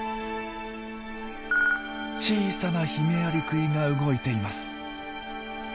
小さなヒメアリクイが動いています。